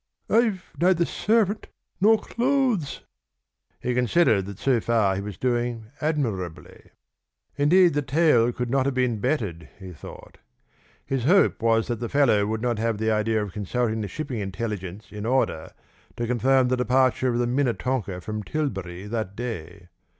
"I've neither servant nor clothes!" He considered that so far he was doing admirably. Indeed, the tale could not have been bettered, he thought. His hope was that the fellow would not have the idea of consulting the shipping intelligence in order to confirm the departure of the Minnetonka from Tilbury that day.